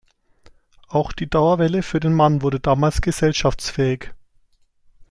Auch die Dauerwelle für den Mann wurde damals gesellschaftsfähig.